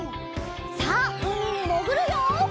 さあうみにもぐるよ！